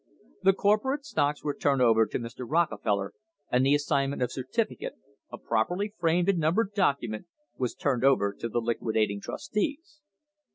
The corporate stocks were turned over to Mr. Rockefeller, and the assignment of certificate, a properly framed and numbered document, was turned over to the liqui dating trustees.